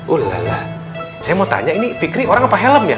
udahlah saya mau tanya ini fikri orang apa helm ya